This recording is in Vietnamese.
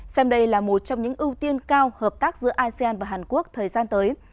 xem đây là một trong những ưu tiên cao hợp tác giữa asean và hàn quốc thời gian tới